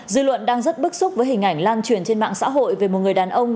dư luận đang rất bức xúc với hình ảnh lan truyền trên mạng xã hội về một người đàn ông